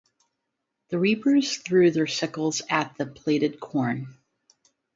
The reapers threw their sickles at the plaited corn.